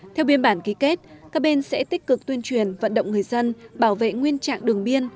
theo biên bản ký kết các bên sẽ tích cực tuyên truyền vận động người dân bảo vệ nguyên trạng đường biên